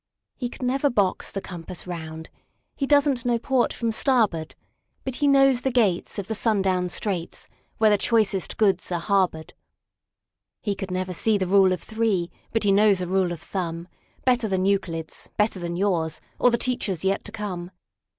He never could box the compass round; He does n't know port from starboard; But he knows the gates of the Sundown Straits, Where the choicest goods are harbored. He never could see the Rule of Three, But he knows a rule of thumbBetter than Euclid's, better than yours, Or the teachers' yet to come.